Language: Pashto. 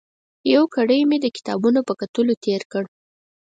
یو ګړی مې د کتابونو په کتلو تېر کړ.